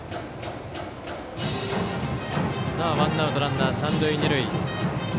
ワンアウトランナー、三塁二塁。